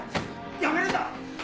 やめるんだ！